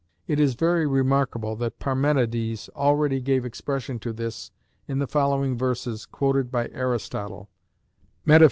It is very remarkable that Parmenides already gave expression to this in the following verses, quoted by Aristotle (Metaph.